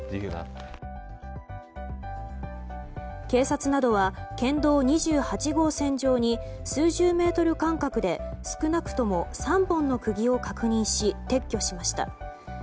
警察などは県道２８号線上に数十メートル間隔で少なくとも３本の釘を確認し撤去しました。